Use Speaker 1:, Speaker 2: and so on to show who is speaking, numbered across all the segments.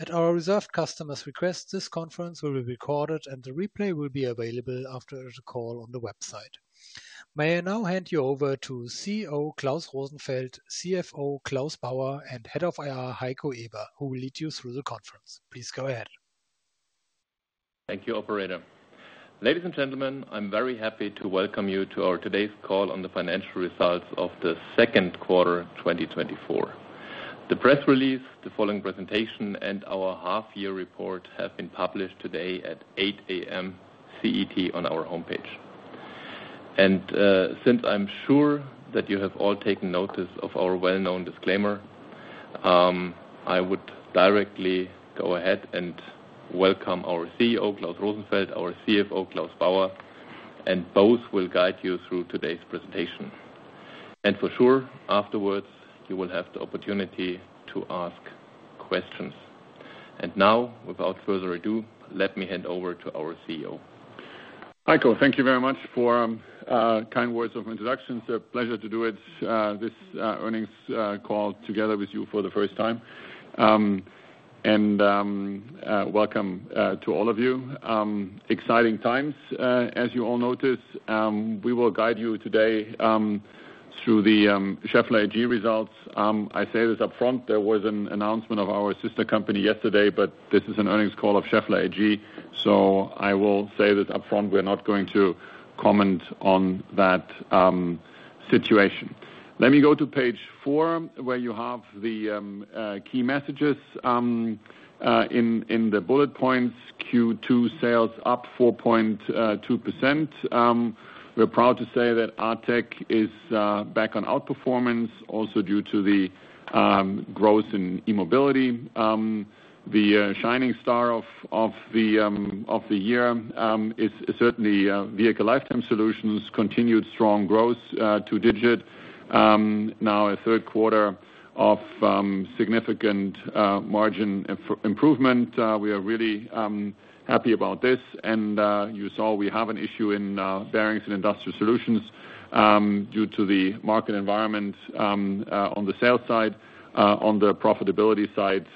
Speaker 1: At our reserved customers' request, this conference will be recorded, and the replay will be available after the call on the website. May I now hand you over to CEO, Klaus Rosenfeld, CFO, Claus Bauer, and Head of IR, Heiko Eber, who will lead you through the conference. Please go ahead.
Speaker 2: Thank you, operator. Ladies and gentlemen, I'm very happy to welcome you to our today's call on the financial results of the second quarter, 2024. The press release, the following presentation, and our half-year report have been published today at 8 A.M. CET on our homepage. And, since I'm sure that you have all taken notice of our well-known disclaimer, I would directly go ahead and welcome our CEO, Klaus Rosenfeld, our CFO, Claus Bauer, and both will guide you through today's presentation. And for sure, afterwards, you will have the opportunity to ask questions. And now, without further ado, let me hand over to our CEO.
Speaker 3: Heiko, thank you very much for kind words of introduction. It's a pleasure to do it this earnings call together with you for the first time. Welcome to all of you. Exciting times as you all notice. We will guide you today through the Schaeffler AG results. I say this upfront, there was an announcement of our sister company yesterday, but this is an earnings call of Schaeffler AG, so I will say that upfront, we're not going to comment on that situation. Let me go to page four, where you have the key messages in the bullet points, Q2 sales up 4.2%. We're proud to say that Atec is back on outperformance, also due to the growth in e-mobility. The shining star of the year is certainly Vehicle Lifetime Solutions, continued strong growth, two-digit. Now a third quarter of significant margin improvement. We are really happy about this, and you saw we have an issue in Bearings and Industrial Solutions, due to the market environment, on the sales side, on the profitability side,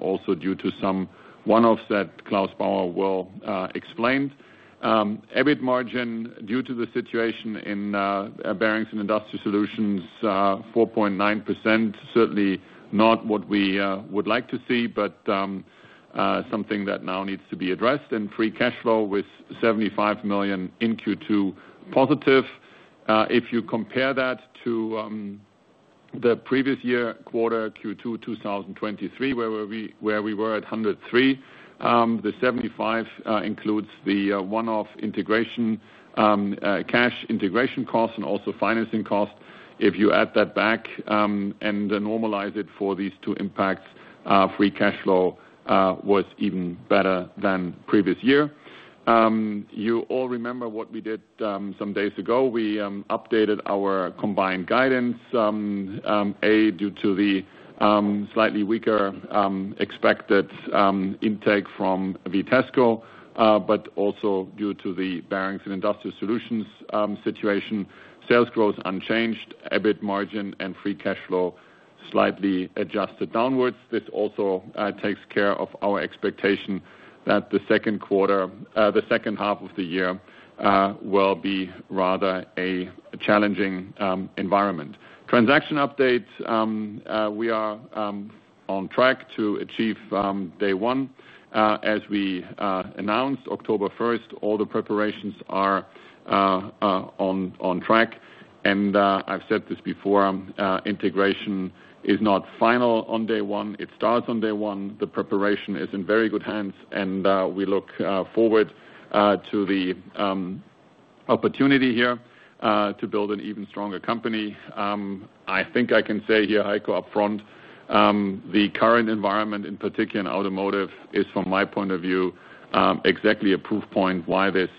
Speaker 3: also due to some one-offs that Claus Bauer will explain. EBIT margin, due to the situation in Bearings and Industrial Solutions, 4.9%, certainly not what we would like to see, but something that now needs to be addressed. And free cash flow with 75 million in Q2 positive. If you compare that to the previous year quarter, Q2, 2023, where we were at 103, the 75 includes the one-off integration cash integration costs and also financing costs. If you add that back and normalize it for these two impacts, free cash flow was even better than previous year. You all remember what we did some days ago. We updated our combined guidance due to the slightly weaker expected intake from Vitesco, but also due to the bearings and industrial solutions situation. Sales growth unchanged, EBIT margin and free cash flow slightly adjusted downwards. This also takes care of our expectation that the second quarter, the second half of the year, will be rather a challenging environment. Transaction updates, we are on track to achieve Day One. As we announced October first, all the preparations are on track, and I've said this before, integration is not final on Day One. It starts on Day One. The preparation is in very good hands, and we look forward to the opportunity here to build an even stronger company. I think I can say here, Heiko, upfront, the current environment, in particular in automotive, is, from my point of view, exactly a proof point why this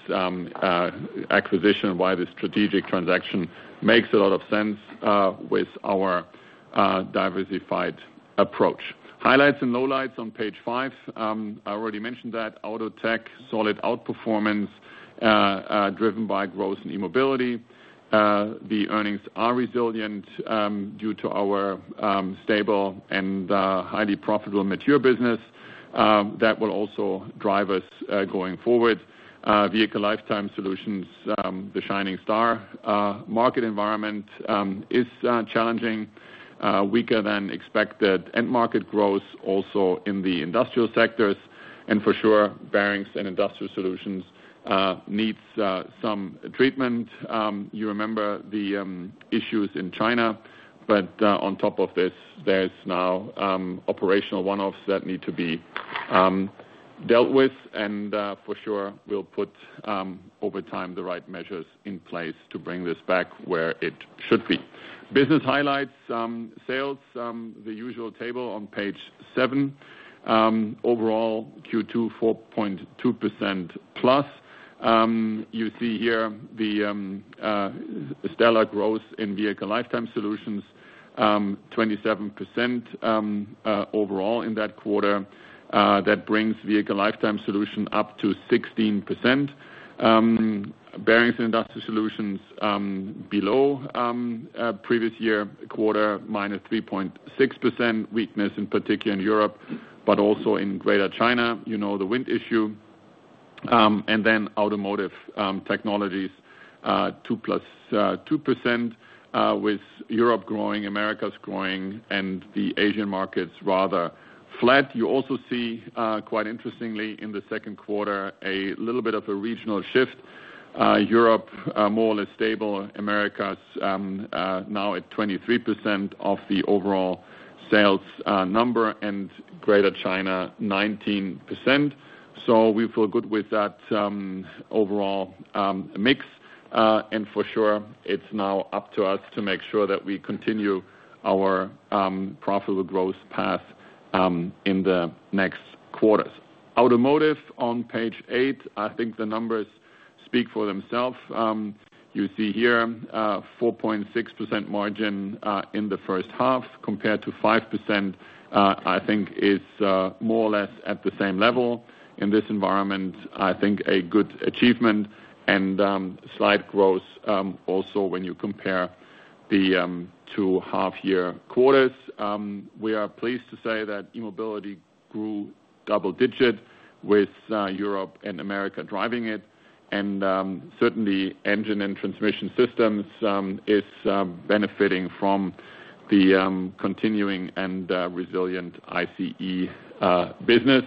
Speaker 3: acquisition, why this strategic transaction makes a lot of sense, with our diversified approach. Highlights and lowlights on page five. I already mentioned that Auto Tech, solid outperformance, driven by growth in E-Mobility. The earnings are resilient due to our stable and highly profitable mature business that will also drive us going forward. Vehicle Lifetime Solutions, the shining star, market environment is challenging, weaker than expected. End market growth also in the industrial sectors, and for sure, Bearings and Industrial Solutions needs some treatment. You remember the issues in China, but on top of this, there's now operational one-offs that need to be dealt with, and for sure, we'll put over time the right measures in place to bring this back where it should be. Business highlights, sales, the usual table on page seven. Overall, Q2, 4.2%+. You see here the stellar growth in Vehicle Lifetime Solutions, 27% overall in that quarter. That brings Vehicle Lifetime Solutions up to 16%. Bearings and Industrial Solutions below previous year quarter, -3.6%, weakness in particular in Europe, but also in Greater China. You know, the wind issue. And then Automotive Technologies, 2%, with Europe growing, Americas growing, and the Asian market's rather flat. You also see quite interestingly, in the second quarter, a little bit of a regional shift. Europe more or less stable, Americas now at 23% of the overall sales number, and Greater China, 19%. So we feel good with that overall mix. And for sure, it's now up to us to make sure that we continue our profitable growth path in the next quarters. Automotive, on page eight, I think the numbers speak for themselves. You see here, 4.6% margin in the first half compared to 5%, I think is more or less at the same level. In this environment, I think a good achievement and slight growth also when you compare the two half year quarters. We are pleased to say that e-mobility grew double digit with Europe and America driving it, and certainly Engine and Transmission Systems is benefiting from the continuing and resilient ICE business.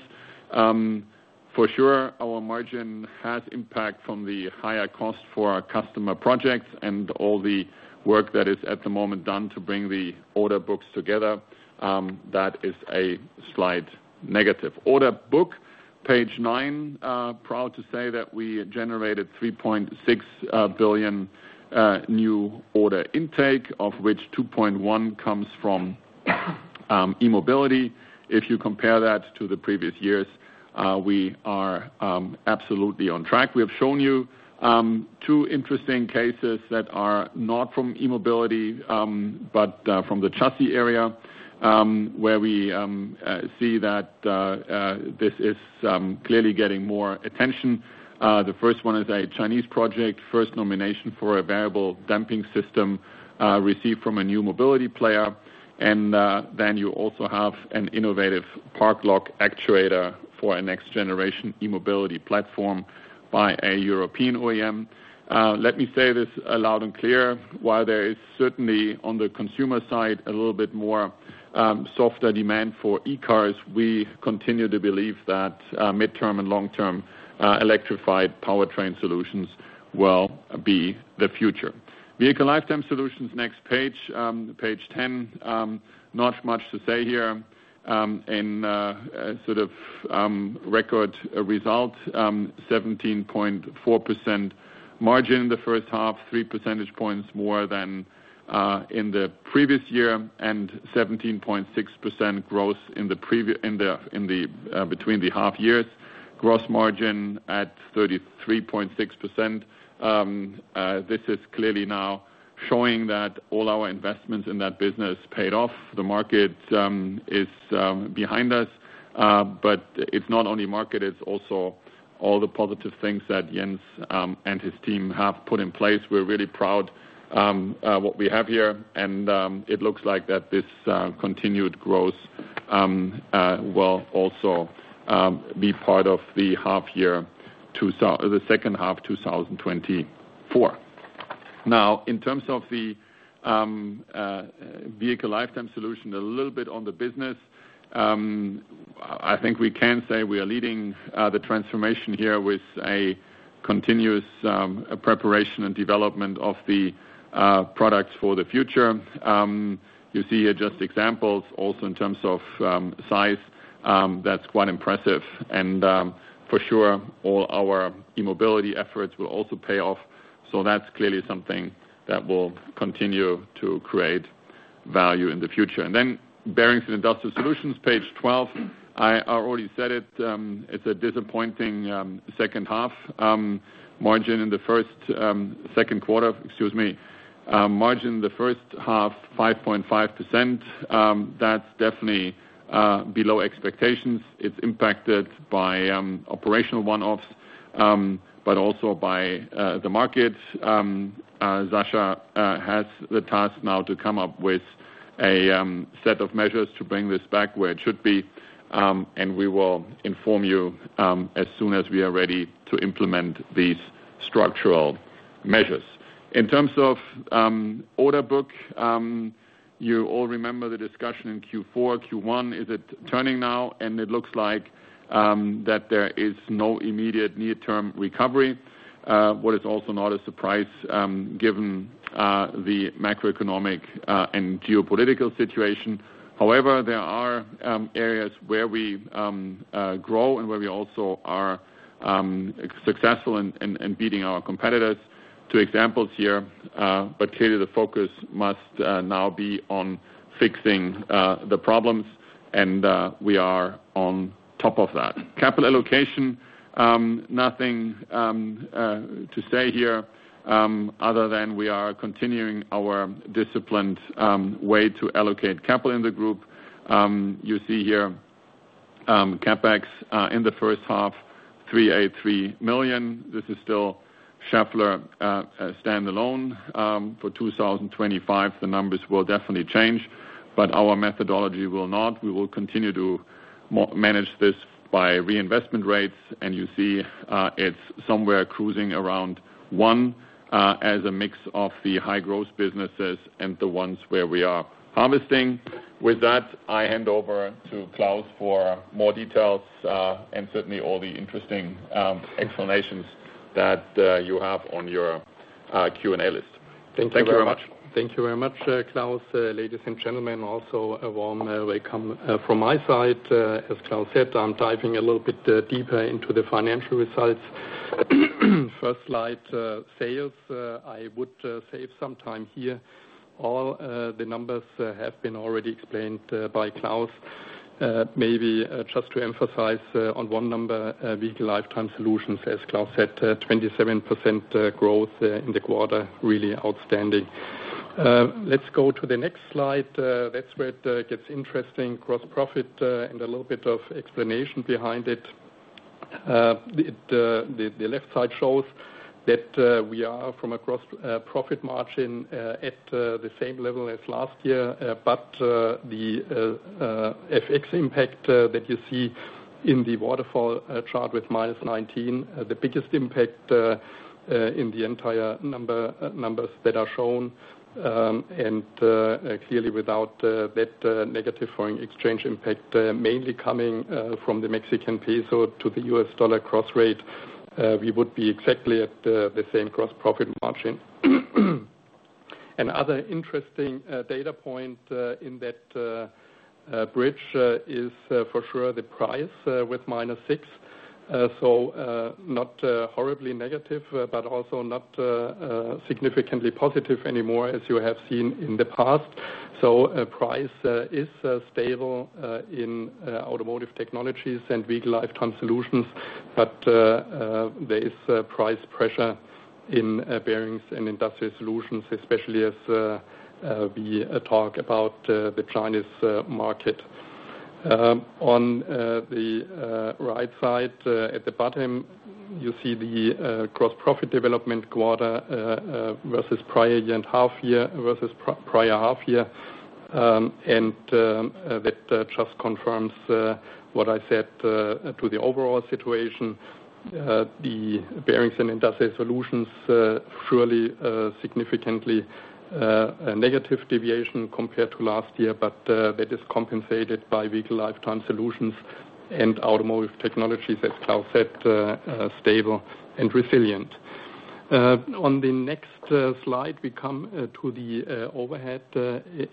Speaker 3: For sure, our margin has impact from the higher cost for our customer projects and all the work that is at the moment done to bring the order books together. That is a slight negative. Order book, page 9, proud to say that we generated 3.6 billion new order intake, of which 2.1 billion comes from e-mobility. If you compare that to the previous years, we are absolutely on track. We have shown you two interesting cases that are not from e-mobility, but from the chassis area, where we see that this is clearly getting more attention. The first one is a Chinese project, first nomination for a Variable Damping System, received from a new mobility player. Then you also have an innovative park lock actuator for a next generation e-mobility platform by a European OEM. Let me say this loud and clear, while there is certainly, on the consumer side, a little bit more softer demand for e-cars, we continue to believe that midterm and long-term electrified powertrain solutions will be the future. Vehicle Lifetime Solutions, next page, page ten. Not much to say here, and sort of record result, 17.4% margin in the first half, three percentage points more than in the previous year, and 17.6% growth between the half years. Gross margin at 33.6%. This is clearly now showing that all our investments in that business paid off. The market is behind us, but it's not only market, it's also all the positive things that Jens and his team have put in place. We're really proud what we have here, and it looks like that this continued growth will also be part of the second half, 2024. Now, in terms of the Vehicle Lifetime Solution, a little bit on the business. I think we can say we are leading the transformation here with a continuous preparation and development of the products for the future. You see here just examples also in terms of size, that's quite impressive. And, for sure, all our E-Mobility efforts will also pay off. So that's clearly something that will continue to create value in the future. And then Bearings and Industrial Solutions, page 12. I already said it, it's a disappointing second half margin in the first second quarter, excuse me. Margin in the first half, 5.5%. That's definitely below expectations. It's impacted by operational one-offs, but also by the market. Sascha has the task now to come up with a set of measures to bring this back where it should be, and we will inform you as soon as we are ready to implement these structural measures. In terms of order book, you all remember the discussion in Q4, Q1, is it turning now? It looks like that there is no immediate near-term recovery, what is also not a surprise, given the macroeconomic and geopolitical situation. However, there are areas where we grow and where we also are successful in beating our competitors. Two examples here, but clearly the focus must now be on fixing the problems, and we are on top of that. Capital allocation, nothing to say here, other than we are continuing our disciplined way to allocate capital in the group. You see here, CapEx in the first half, 383 million. This is Schaeffler standalone for 2025, the numbers will definitely change, but our methodology will not. We will continue to manage this by reinvestment rates, and you see, it's somewhere cruising around one, as a mix of the high growth businesses and the ones where we are harvesting. With that, I hand over to Claus for more details, and certainly all the interesting explanations that you have on your Q&A list. Thank you very much.
Speaker 4: Thank you very much, Klaus. Ladies and gentlemen, also a warm welcome from my side. As Klaus said, I'm diving a little bit deeper into the financial results. First slide, sales, I would save some time here. All the numbers have been already explained by Klaus. Maybe just to emphasize on one number, Vehicle Lifetime Solutions, as Klaus said, 27% growth in the quarter, really outstanding. Let's go to the next slide. That's where it gets interesting, gross profit, and a little bit of explanation behind it. The left side shows that we are at a gross profit margin at the same level as last year, but the FX impact that you see in the waterfall chart with -19, the biggest impact in the entire numbers that are shown. And clearly without that negative foreign exchange impact mainly coming from the Mexican peso to the US dollar cross rate, we would be exactly at the same gross profit margin. Another interesting data point in that bridge is for sure the price with -6. So not horribly negative, but also not significantly positive anymore, as you have seen in the past. So, price is stable in Automotive Technologies and Vehicle Lifetime Solutions, but there is price pressure in Bearings and Industrial Solutions, especially as we talk about the Chinese market. On the right side, at the bottom, you see the gross profit development quarter versus prior and half year, versus prior half year. And that just confirms what I said to the overall situation. The Bearings and Industrial Solutions surely significantly a negative deviation compared to last year, but that is compensated by Vehicle Lifetime Solutions and Automotive Technologies, as Klaus said, stable and resilient. On the next slide, we come to the overhead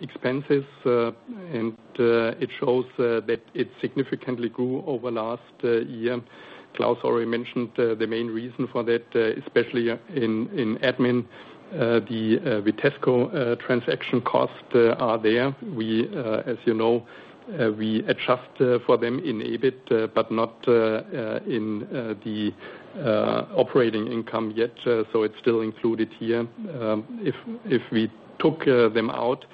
Speaker 4: expenses, and it shows that it significantly grew over last year. Klaus already mentioned the main reason for that, especially in admin, the Vitesco transaction costs are there. As you know, we adjust for them in EBIT, but not in the operating income yet, so it's still included here. If we took them out,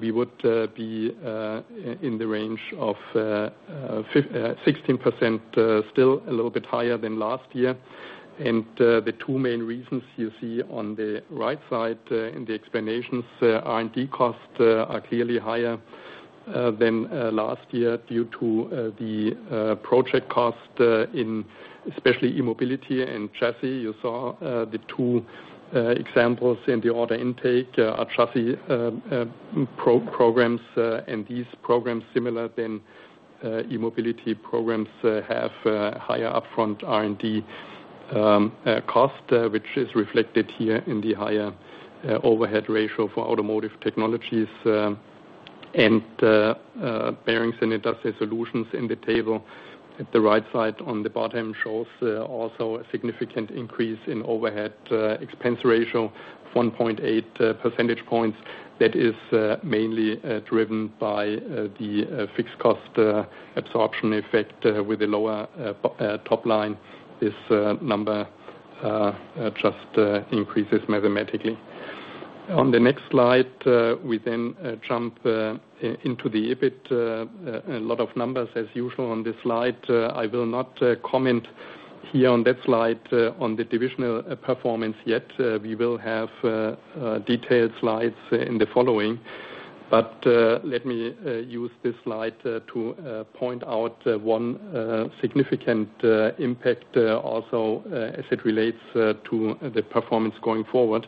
Speaker 4: we would be in the range of 16%, still a little bit higher than last year. The two main reasons you see on the right side in the explanations, R&D costs are clearly higher than last year due to the project cost in especially E-Mobility and chassis. You saw the two examples in the order intake are chassis programs, and these programs, similar than E-Mobility programs, have higher upfront R&D cost, which is reflected here in the higher overhead ratio for Automotive Technologies, and Bearings and Industrial Solutions in the table. At the right side, on the bottom shows also a significant increase in overhead expense ratio, 1.8 percentage points. That is mainly driven by the fixed cost absorption effect with a lower top line. This number just increases mathematically. On the next slide, we then jump into the EBIT. A lot of numbers as usual on this slide. I will not comment here on that slide on the divisional performance yet. We will have detailed slides in the following. But let me use this slide to point out one significant impact also as it relates to the performance going forward,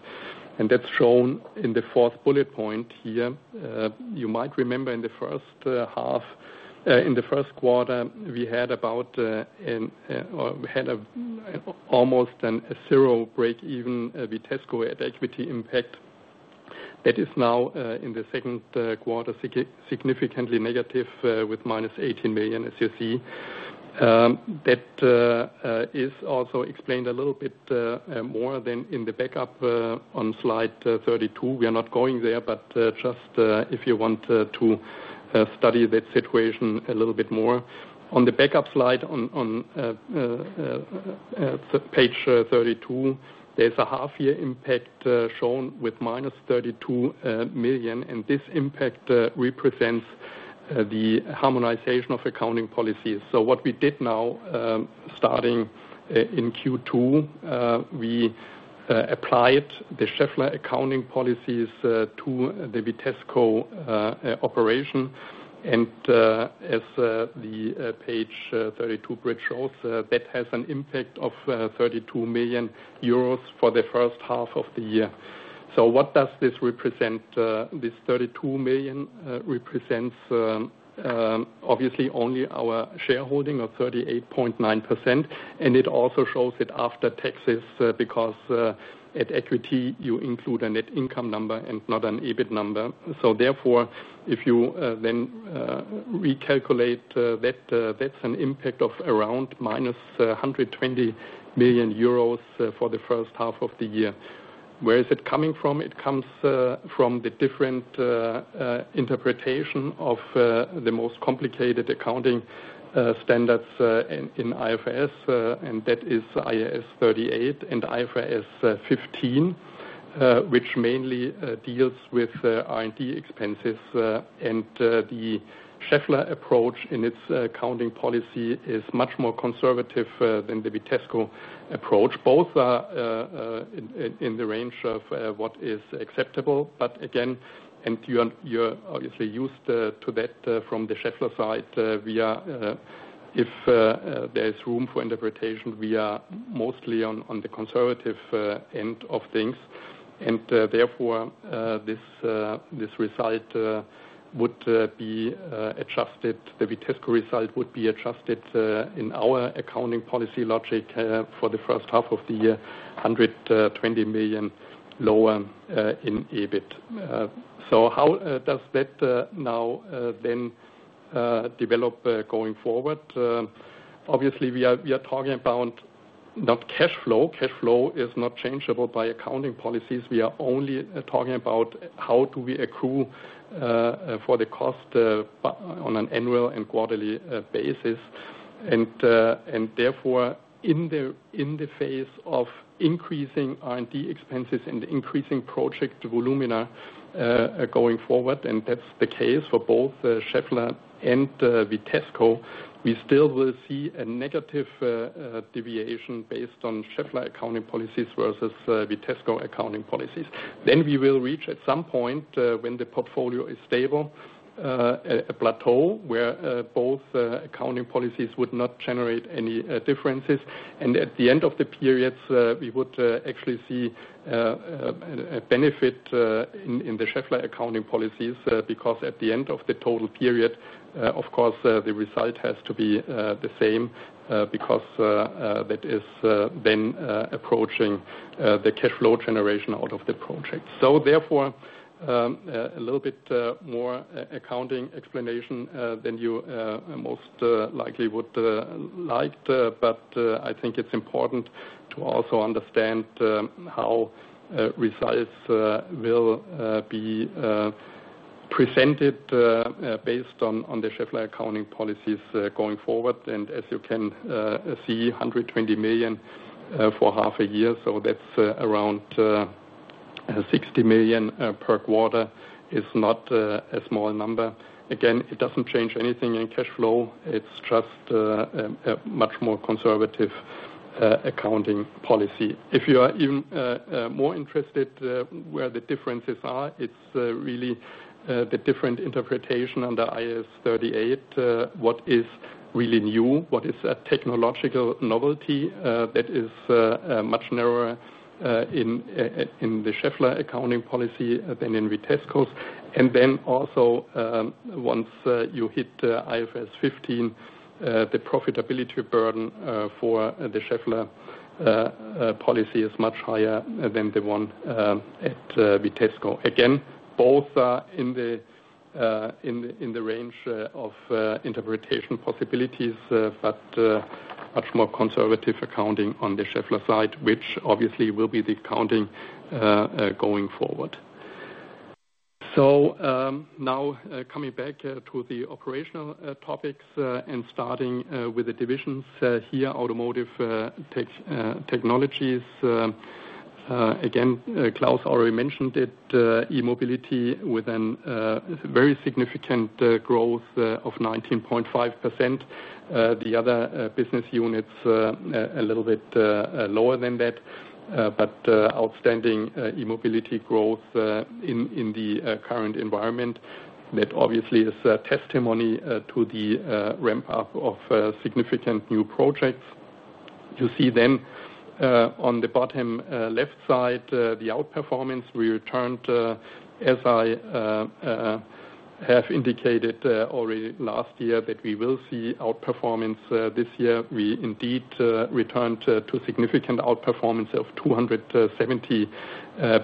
Speaker 4: and that's shown in the fourth bullet point here. You might remember in the first half in the first quarter, we had about or we had almost a zero break-even Vitesco at equity impact. That is now, in the second quarter, significantly negative, with -18 million, as you see. That is also explained a little bit more than in the backup, on slide 32. We are not going there, but just if you want to study that situation a little bit more. On the backup slide, on page 32, there's a half-year impact shown with -32 million, and this impact represents the harmonization of accounting policies. So what we did now, starting in Q2, we applied the Schaeffler accounting policies to the Vitesco operation. As the page 32 bridge shows, that has an impact of 32 million euros for the first half of the year. So what does this represent? This 32 million represents, obviously only our shareholding of 38.9%, and it also shows it after taxes, because at equity, you include a net income number and not an EBIT number. So therefore, if you then recalculate, that's an impact of around minus 120 million euros for the first half of the year. Where is it coming from? It comes from the different interpretation of the most complicated accounting standards in IFRS, and that is IAS 38 and IFRS 15, which mainly deals with R&D expenses. And the Schaeffler approach in its accounting policy is much more conservative than the Vitesco approach. Both are in the range of what is acceptable. But again, you are obviously used to that from the Schaeffler side. We are, if there is room for interpretation, mostly on the conservative end of things. And therefore, this result would be adjusted. The Vitesco result would be adjusted in our accounting policy logic for the first half of the year, 120 million lower in EBIT. So how does that now then develop going forward? Obviously, we are talking about not cash flow. Cash flow is not changeable by accounting policies. We are only talking about how do we accrue for the cost on an annual and quarterly basis. And therefore, in the face of increasing R&D expenses and increasing project volumes going forward, and that's the case for both Schaeffler and Vitesco, we still will see a negative deviation based on Schaeffler accounting policies versus Vitesco accounting policies. Then we will reach, at some point, when the portfolio is stable, a plateau where both accounting policies would not generate any differences. At the end of the periods, we would actually see a benefit in the Schaeffler accounting policies, because at the end of the total period, of course, the result has to be the same, because that is then approaching the cash flow generation out of the project. So therefore, a little bit more accounting explanation than you most likely would like, but I think it's important to also understand how results will be presented based on the Schaeffler accounting policies going forward. And as you can see, 120 million for half a year, so that's around 60 million per quarter, is not a small number. Again, it doesn't change anything in cash flow. It's just a much more conservative accounting policy. If you are even more interested where the differences are, it's really the different interpretation under IAS 38, what is really new, what is a technological novelty, that is a much narrower in the Schaeffler accounting policy than in Vitesco's. And then also, once you hit IFRS 15, the profitability burden for the Schaeffler policy is much higher than the one at Vitesco. Again, both are in the range of interpretation possibilities, but much more conservative accounting on the Schaeffler side, which obviously will be the accounting going forward. So, now, coming back to the operational topics and starting with the divisions here, Automotive Technologies, again, Claus already mentioned it, E-Mobility with a very significant growth of 19.5%. The other business units a little bit lower than that, but outstanding E-Mobility growth in the current environment. That obviously is a testimony to the ramp up of significant new projects. You see then on the bottom left side the outperformance, we returned, as I have indicated already last year, that we will see outperformance this year. We indeed returned to significant outperformance of 270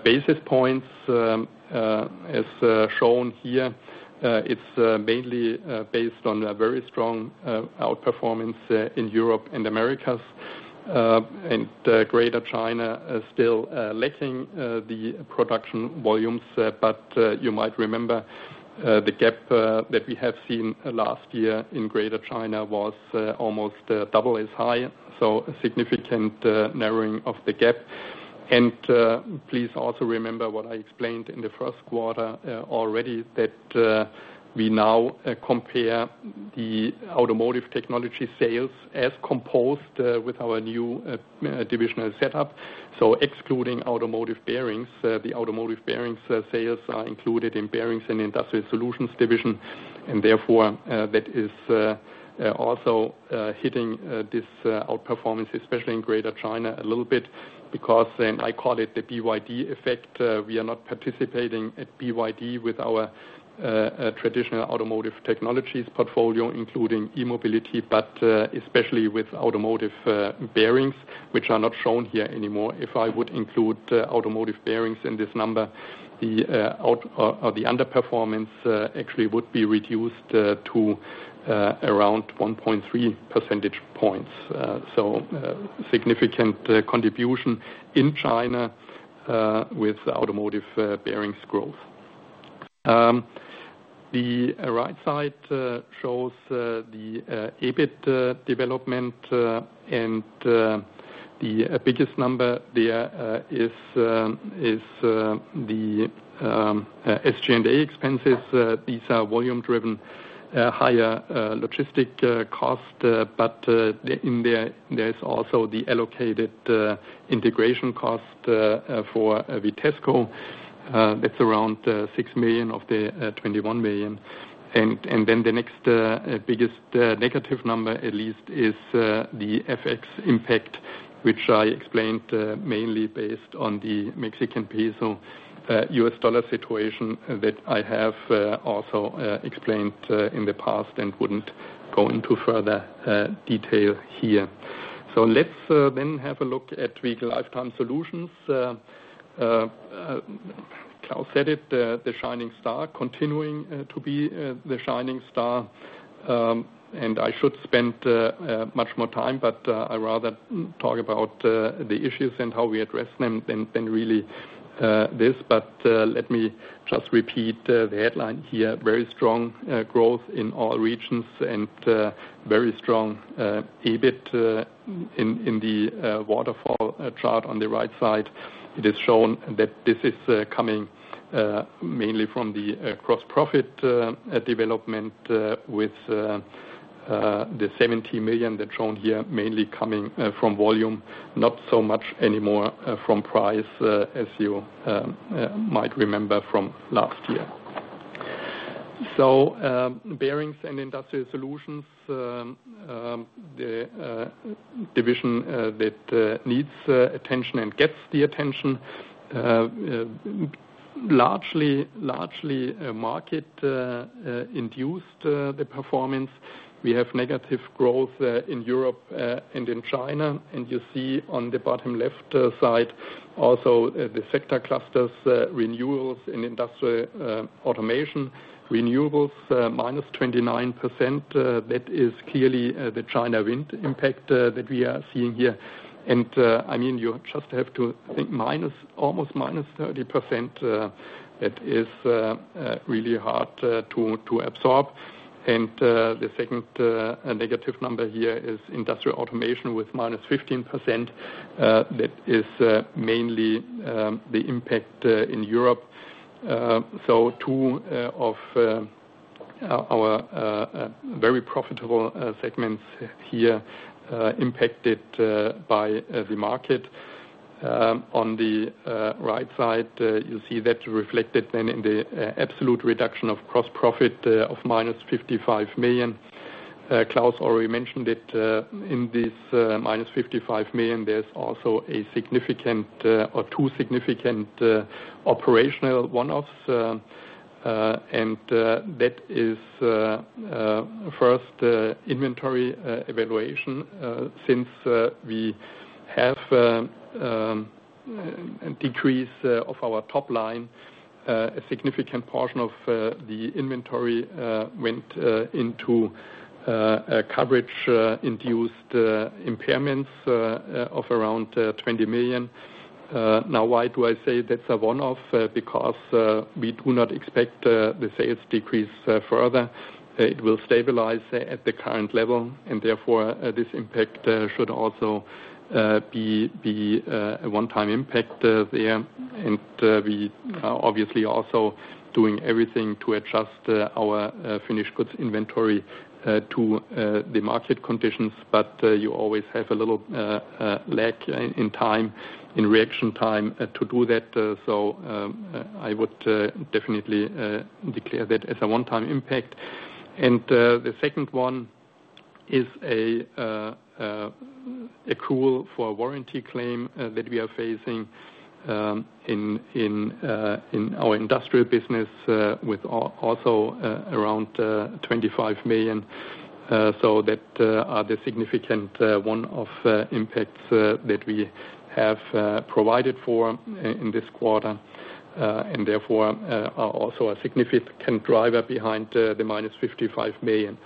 Speaker 4: basis points, as shown here. It's mainly based on a very strong outperformance in Europe and Americas, and Greater China is still lacking the production volumes, but you might remember the gap that we have seen last year in Greater China was almost double as high, so a significant narrowing of the gap. Please also remember what I explained in the first quarter already, that we now compare the automotive technology sales as composed with our new divisional setup. So excluding automotive bearings, the automotive bearings sales are included in bearings and industrial solutions division, and therefore that is also hitting this outperformance, especially in Greater China, a little bit because then I call it the BYD effect. We are not participating at BYD with our traditional automotive technologies portfolio, including e-mobility, but especially with automotive bearings, which are not shown here anymore. If I would include automotive bearings in this number, the underperformance actually would be reduced to around 1.3 percentage points. So, significant contribution in China with automotive bearings growth. The right side shows the EBIT development and the biggest number there is the SG&A expenses. These are volume-driven higher logistics cost, but in there, there's also the allocated integration cost for Vitesco. That's around 6 million of the 21 million. Then the next biggest negative number, at least, is the FX impact, which I explained, mainly based on the Mexican peso, US dollar situation that I have also explained in the past and wouldn't go into further detail here. So let's then have a look at Vehicle Lifetime Solutions. Klaus said it, the shining star, continuing to be the shining star. And I should spend much more time, but I rather talk about the issues and how we address them than really this. But let me just repeat the headline here. Very strong growth in all regions and very strong EBIT in the waterfall chart on the right side. It is shown that this is coming mainly from the gross profit development with the 70 million that's shown here, mainly coming from volume, not so much anymore from price, as you might remember from last year. So, Bearings and Industrial Solutions, the division that needs attention and gets the attention, largely a market-induced performance. We have negative growth in Europe and in China, and you see on the bottom left side also the sector clusters, renewables and industrial automation. Renewables -29%, that is clearly the China wind impact that we are seeing here. I mean, you just have to think minus almost -30%, that is really hard to absorb. The second negative number here is industrial automation with -15%. That is mainly the impact in Europe. So two of our very profitable segments here impacted by the market. On the right side, you see that reflected then in the absolute reduction of gross profit of -55 million. Claus already mentioned it, in this -55 million, there's also a significant, or two significant, operational one-offs, and that is first, inventory valuation. Since we have decrease of our top line, a significant portion of the inventory went into a coverage induced impairments of around 20 million. Now, why do I say that's a one-off? Because we do not expect the sales decrease further. It will stabilize at the current level, and therefore, this impact should also be a one-time impact there. And we are obviously also doing everything to adjust our finished goods inventory to the market conditions, but you always have a little lag in time, in reaction time, to do that. So, I would definitely declare that as a one-time impact. The second one is an accrual for a warranty claim that we are facing in our industrial business, with also around 25 million. So that are the significant one-off impacts that we have provided for in this quarter, and therefore are also a significant driver behind the -55 million.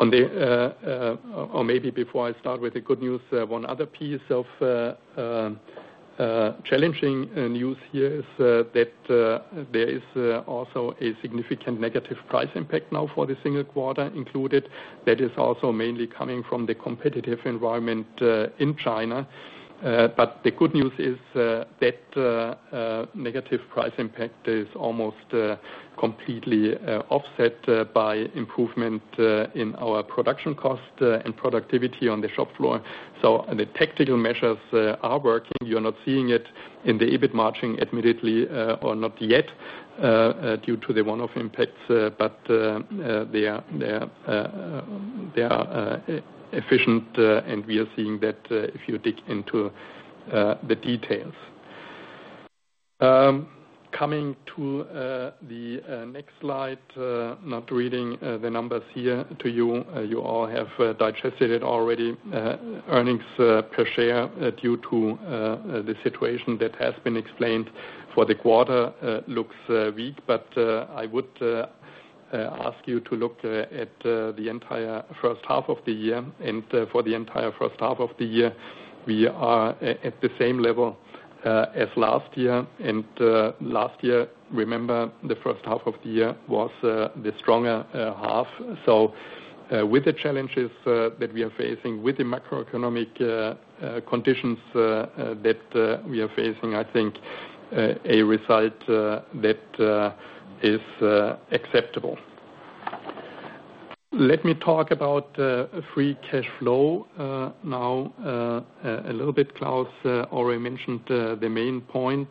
Speaker 4: Or maybe before I start with the good news, one other piece of challenging news here is that there is also a significant negative price impact now for the single quarter included. That is also mainly coming from the competitive environment in China. But the good news is that negative price impact is almost completely offset by improvement in our production cost and productivity on the shop floor. So the tactical measures are working. You're not seeing it in the EBIT margin admittedly, or not yet, due to the one-off impacts, but they are efficient, and we are seeing that if you dig into the details. Coming to the next slide, not reading the numbers here to you, you all have digested it already. Earnings per share due to the situation that has been explained for the quarter looks weak, but I would ask you to look at the entire first half of the year. For the entire first half of the year, we are at the same level as last year. Last year, remember, the first half of the year was the stronger half. So with the challenges that we are facing, with the macroeconomic conditions that we are facing, I think a result that is acceptable. Let me talk about free cash flow now a little bit. Klaus already mentioned the main point,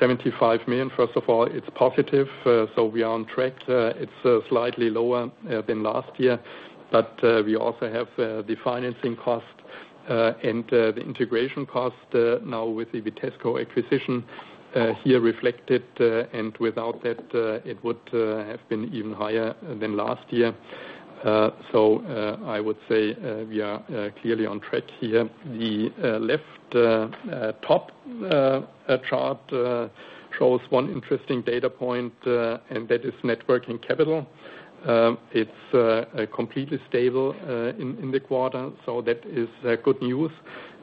Speaker 4: 75 million. First of all, it's positive, so we are on track. It's slightly lower than last year, but we also have the financing cost and the integration cost now with the Vitesco acquisition here reflected, and without that, it would have been even higher than last year. So, I would say, we are clearly on track here. The left top chart shows one interesting data point, and that is net working capital. It's completely stable in the quarter, so that is good news.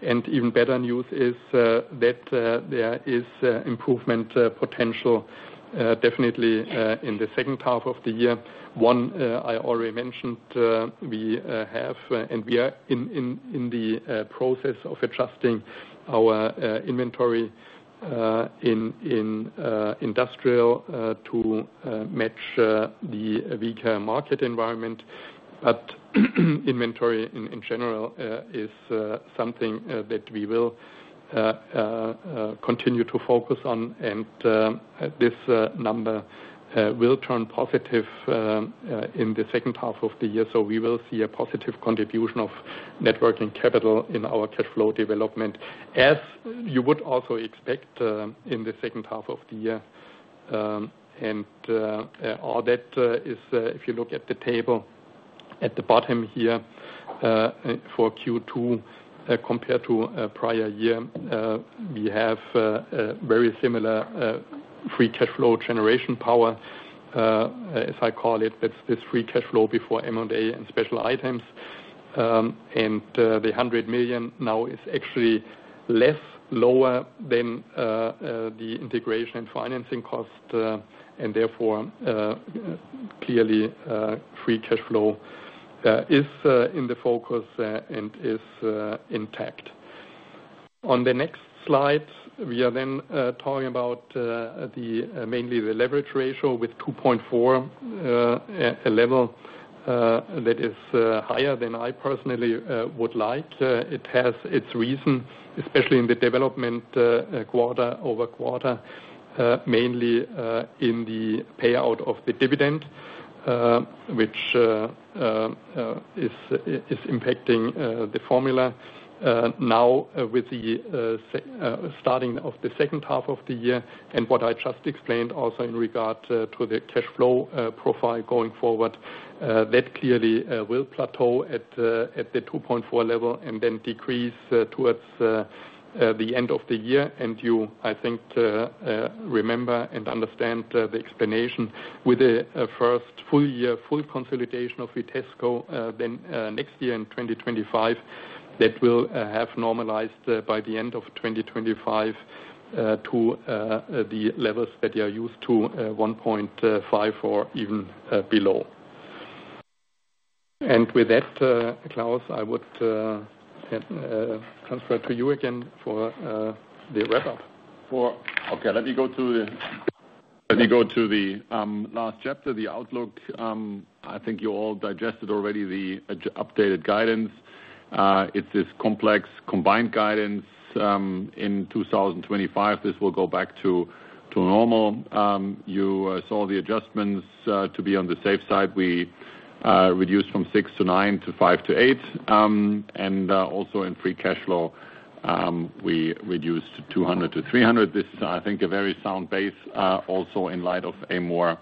Speaker 4: And even better news is that there is improvement potential definitely in the second half of the year. One, I already mentioned, we have and we are in the process of adjusting our inventory in industrial to match the weaker market environment. But inventory in general is something that we will continue to focus on, and this number will turn positive in the second half of the year. So we will see a positive contribution of Net Working Capital in our cash flow development, as you would also expect in the second half of the year. And all that is, if you look at the table at the bottom here, for Q2 compared to a prior year, we have a very similar Free Cash Flow generation power, as I call it. That's the free cash flow before M&A and special items. The hundred million now is actually less lower than the integration and financing cost, and therefore, clearly, free cash flow is in the focus and is intact. On the next slide, we are then talking about mainly the leverage ratio with 2.4, a level that is higher than I personally would like. It has its reason, especially in the development quarter-over-quarter, mainly in the payout of the dividend, which is impacting the formula. Now, with the starting of the second half of the year and what I just explained also in regard to the cash flow profile going forward, that clearly will plateau at the 2.4 level and then decrease towards the end of the year. And you, I think, remember and understand the explanation with the first full year, full consolidation of Vitesco, then next year in 2025, that will have normalized by the end of 2025 to the levels that you are used to, 1.5 or even below. And with that, Klaus, I would transfer to you again for the wrap-up.
Speaker 3: Okay, let me go to the last chapter, the outlook. I think you all digested already the updated guidance. It's this complex combined guidance. In 2025, this will go back to normal. You saw the adjustments to be on the safe side. We reduced from 6-9 to 5-8. And also in free cash flow, we reduced EUR 200-300.This is, I think, a very sound base, also in light of a more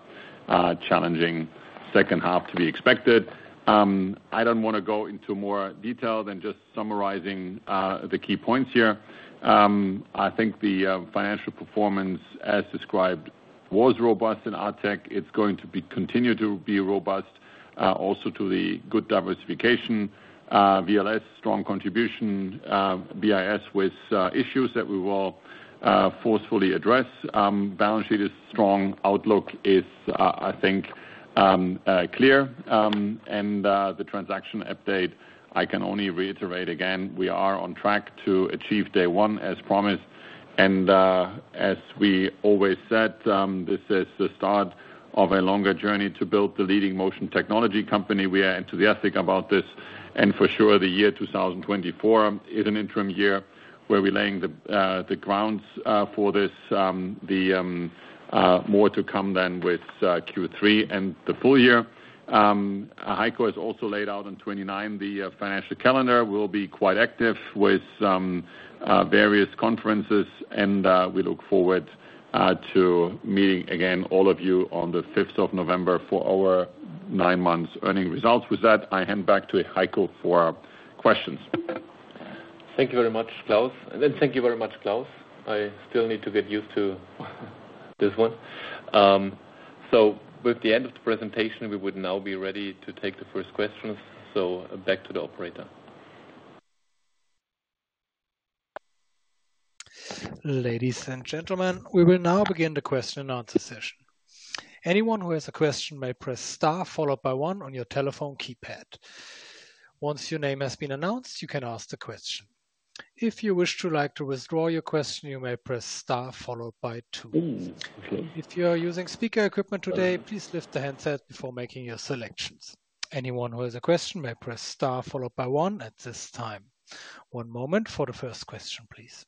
Speaker 3: challenging second half to be expected. I don't want to go into more detail than just summarizing the key points here. I think the financial performance as described was robust in Artec. It's going to be, continue to be robust, also to the good diversification, VLS, strong contribution, BIS with, issues that we will, forcefully address. Balance sheet is strong. Outlook is, I think, clear. And, the transaction update, I can only reiterate again, we are on track to achieve day one as promised, and, as we always said, this is the start of a longer journey to build the leading motion technology company. We are enthusiastic about this, and for sure, the year 2024 is an interim year where we're laying the grounds for this, more to come then with Q3 and the full year. Heiko has also laid out on 29, the financial calendar will be quite active with various conferences, and we look forward to meeting again, all of you on the fifth of November for our 9 months earnings results. With that, I hand back to Heiko for questions.
Speaker 2: Thank you very much, Klaus. Thank you very much, Klaus. I still need to get used to this one. So with the end of the presentation, we would now be ready to take the first questions. Back to the operator.
Speaker 1: Ladies and gentlemen, we will now begin the question and answer session. Anyone who has a question may press star, followed by one on your telephone keypad. Once your name has been announced, you can ask the question. If you wish to like to withdraw your question, you may press star followed by two.
Speaker 2: Okay.
Speaker 1: If you are using speaker equipment today, please lift the handset before making your selections. Anyone who has a question may press star, followed by one at this time. One moment for the first question, please.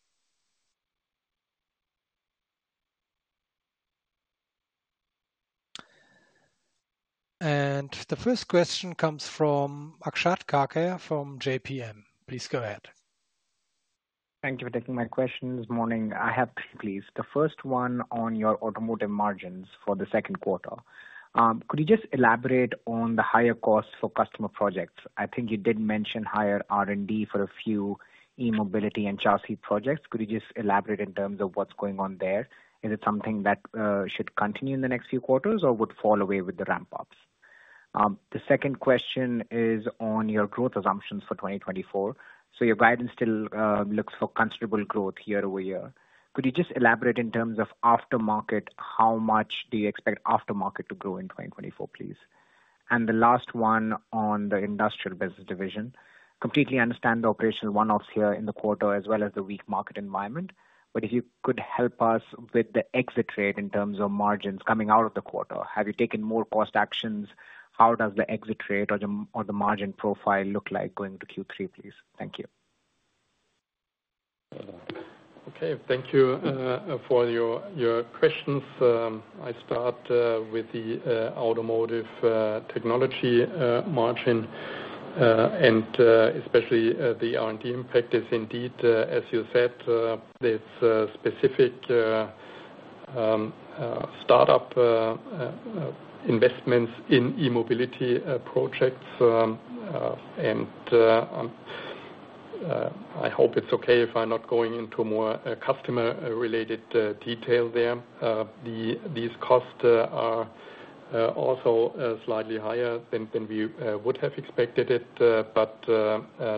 Speaker 1: The first question comes from Akshat Kacker from JPM. Please go ahead.
Speaker 5: Thank you for taking my question this morning. I have three, please. The first one on your automotive margins for the second quarter. Could you just elaborate on the higher cost for customer projects? I think you did mention higher R&D for a few e-mobility and chassis projects. Could you just elaborate in terms of what's going on there? Is it something that should continue in the next few quarters or would fall away with the ramp-ups? The second question is on your growth assumptions for 2024. So your guidance still looks for considerable growth year-over-year. Could you just elaborate in terms of aftermarket, how much do you expect aftermarket to grow in 2024, please? And the last one on the industrial business division. Completely understand the operational one-offs here in the quarter, as well as the weak market environment, but if you could help us with the exit rate in terms of margins coming out of the quarter, have you taken more cost actions? How does the exit rate or the margin profile look like going to Q3, please? Thank you.
Speaker 4: Okay. Thank you for your questions. I start with the automotive technology margin and especially the R&D impact is indeed as you said, it's specific startup investments in e-mobility projects. I hope it's okay if I'm not going into more customer-related detail there. These costs are also slightly higher than we would have expected it, but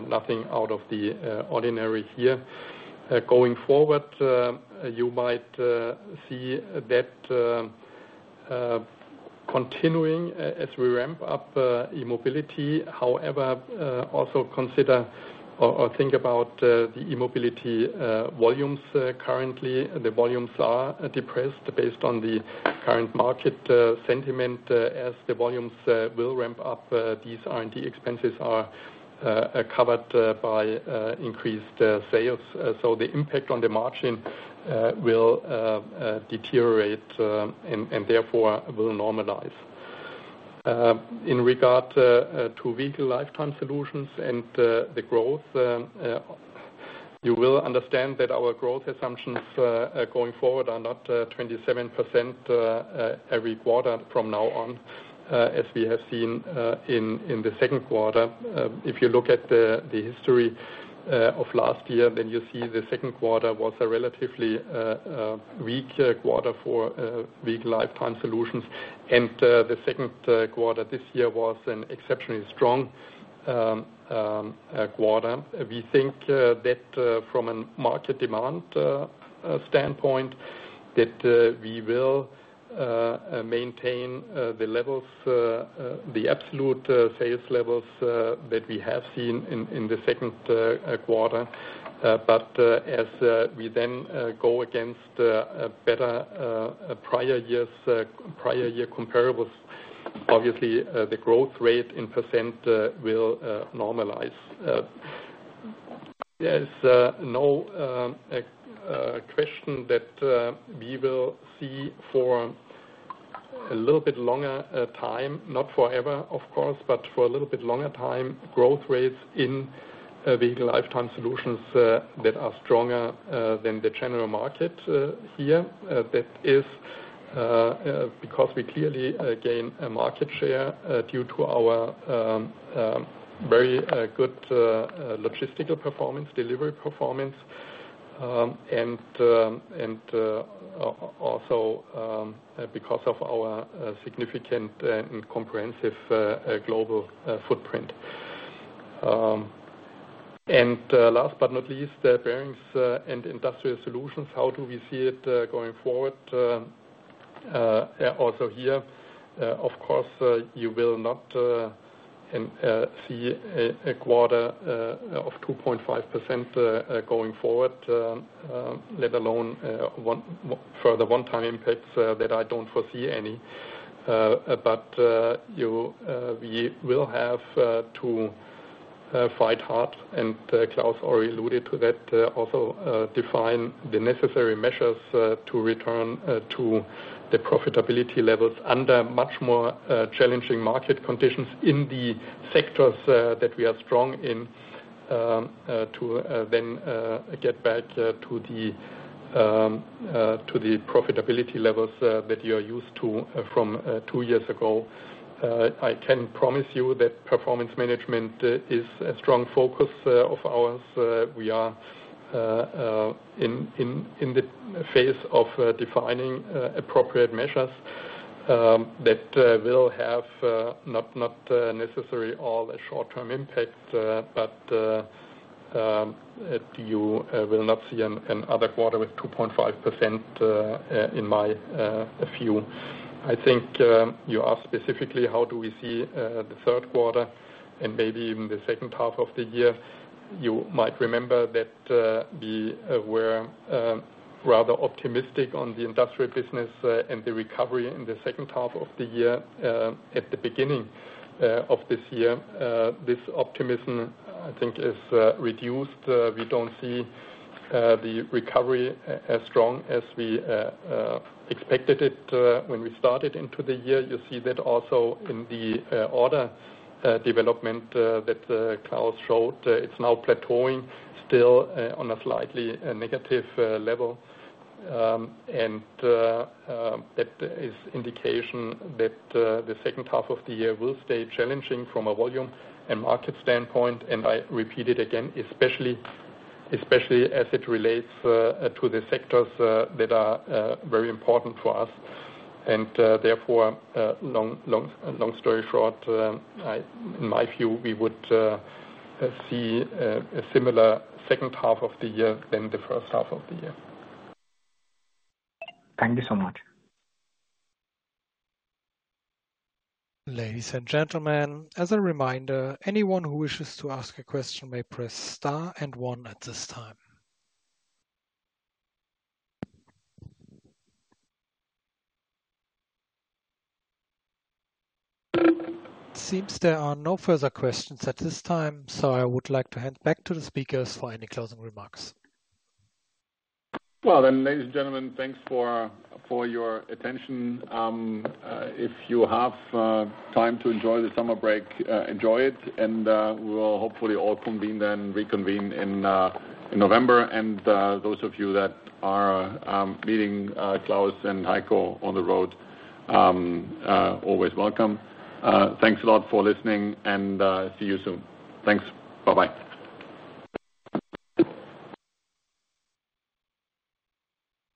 Speaker 4: nothing out of the ordinary here. Going forward, you might see that continuing as we ramp up e-mobility. However, also consider or think about the e-mobility volumes. Currently, the volumes are depressed based on the current market sentiment. As the volumes will ramp up, these R&D expenses are covered by increased sales. So the impact on the margin will deteriorate, and therefore will normalize. In regard to Vehicle Lifetime Solutions and the growth, you will understand that our growth assumptions going forward are not 27% every quarter from now on, as we have seen in the second quarter. If you look at the history of last year, then you see the second quarter was a relatively weak quarter for Vehicle Lifetime Solutions, and the second quarter this year was an exceptionally strong quarter. We think that from a market demand standpoint that we will maintain the levels the absolute sales levels that we have seen in the second quarter. But as we then go against a better prior years prior year comparables, obviously, the growth rate in percent will normalize. There's no question that we will see for a little bit longer time, not forever, of course, but for a little bit longer time, growth rates in the lifetime solutions that are stronger than the general market here. That is because we clearly gain a market share due to our very good logistical performance, delivery performance. And also, because of our significant and comprehensive global footprint. And last but not least, the Bearings and Industrial Solutions, how do we see it going forward? Also here, of course, you will not see a quarter of 2.5% going forward, let alone further one-time impacts that I don't foresee any. But we will have to fight hard, and Klaus already alluded to that. Also, define the necessary measures to return to the profitability levels under much more challenging market conditions in the sectors that we are strong in, to then get back to the profitability levels that you are used to from two years ago. I can promise you that performance management is a strong focus of ours. We are in the phase of defining appropriate measures that will have not necessarily all a short-term impact, but you will not see another quarter with 2.5% in my view. I think you asked specifically, how do we see the third quarter and maybe even the second half of the year? You might remember that we were rather optimistic on the industrial business and the recovery in the second half of the year at the beginning of this year. This optimism, I think, is reduced. We don't see the recovery as strong as we expected it when we started into the year. You see that also in the order development that Klaus showed. It's now plateauing, still, on a slightly negative level. That is indication that the second half of the year will stay challenging from a volume and market standpoint, and I repeat it again, especially, especially as it relates to the sectors that are very important for us. Therefore, long, long, long story short, in my view, we would see a similar second half of the year than the first half of the year.
Speaker 1: Thank you so much. Ladies and gentlemen, as a reminder, anyone who wishes to ask a question may press star and one at this time. Seems there are no further questions at this time, so I would like to hand back to the speakers for any closing remarks.
Speaker 4: Well, then, ladies and gentlemen, thanks for your attention. If you have time to enjoy the summer break, enjoy it, and we will hopefully all reconvene in November. Those of you that are meeting Klaus and Heiko on the road, always welcome. Thanks a lot for listening, and see you soon. Thanks. Bye-bye.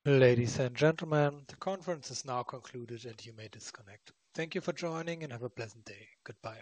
Speaker 1: Ladies and gentlemen, the conference is now concluded, and you may disconnect. Thank you for joining, and have a pleasant day. Goodbye.